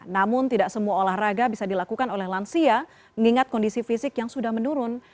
namun tidak semua olahraga bisa dilakukan oleh lansia mengingat kondisi fisik yang sudah menurun